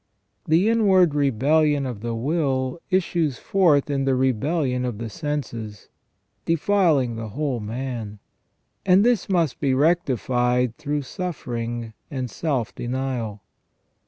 The inward rebellion of the will issues forth in the rebellion of the senses, defiling the whole man, and this must be rectified through suffering and self denial.